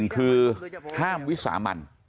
คือห้ามวิสามัน